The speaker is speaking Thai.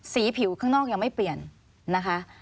สีผิวข้างนอกยังไม่เปลี่ยนนะคะ